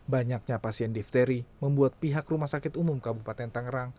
banyaknya pasien difteri membuat pihak rumah sakit umum kabupaten tangerang